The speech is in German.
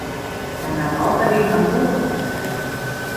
Er nahm außerdem am Ruhrkampf teil.